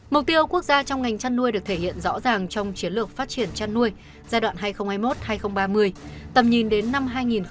mục tiêu quốc gia trong ngành chăn nuôi được thể hiện rõ ràng trong chiến lược phát triển chăn nuôi giai đoạn hai nghìn hai mươi một hai nghìn ba mươi tầm nhìn đến năm hai nghìn năm mươi